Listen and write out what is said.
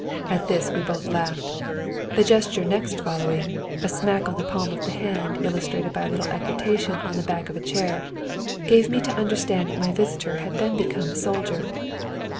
At this we both laughed. The gesture next following a smack on the palm of the hand illustrated by a little equitation on the back of a chair gave me to understand that my visitor had then become a soldier.